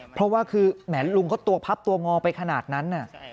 เพราะว่าคือแหมลุงเขาตัวพับตัวงอไปขนาดนั้น